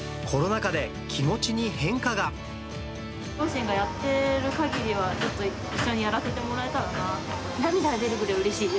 両親がやっているかぎりは、ちょっと一緒にやらせてもらえたらなと。